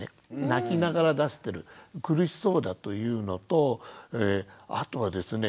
泣きながら出してる苦しそうだというのとあとはですね